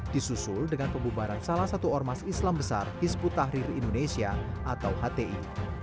disusul dengan pembubaran salah satu ormas islam besar hizbut tahrir indonesia atau hti